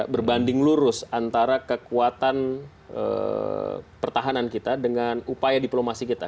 berbanding lurus antara kekuatan pertahanan kita dengan upaya diplomasi kita